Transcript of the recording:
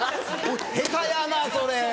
下手やなそれ。